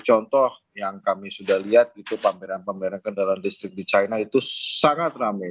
contoh yang kami sudah lihat itu pameran pameran kendaraan listrik di china itu sangat rame